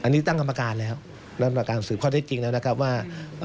อันนี้ตั้งกรรมการแล้วตั้งกรรมการสืบข้อเท็จจริงแล้วนะครับว่า